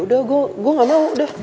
udah gue gak mau